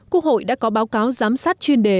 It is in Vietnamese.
quốc hội đã có báo cáo giám sát chuyên đề